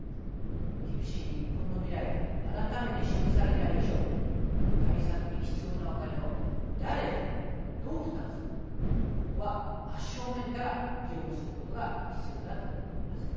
厳しいニッポンの未来が改めて示された以上対策に必要なお金を誰がどう負担するのかここは真正面から議論することが必要だと思います。